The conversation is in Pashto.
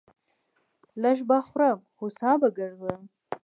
لږ به خورم ، هو سا به گرځم.